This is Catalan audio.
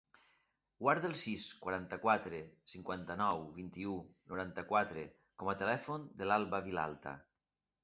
Guarda el sis, quaranta-quatre, cinquanta-nou, vint-i-u, noranta-quatre com a telèfon de l'Albà Vilalta.